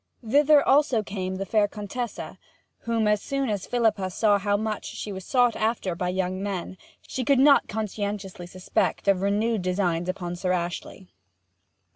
Thither also came the fair Contessa, whom, as soon as Philippa saw how much she was sought after by younger men, she could not conscientiously suspect of renewed designs upon Sir Ashley.